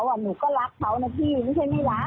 หนูก็รักเขานะพี่ไม่ใช่ไม่รัก